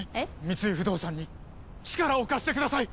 三井不動産に力を貸してください！